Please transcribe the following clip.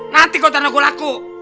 nanti kau tangan gua laku